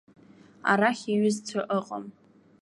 Арахь иҩызцәа ыҟам.